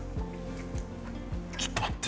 ちょっと待って。